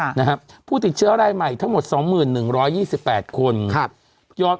นะครับผู้ติดเชื้อรายใหม่ทั้งหมดสองหมื่นหนึ่งร้อยยี่สิบแปดคนครับยอด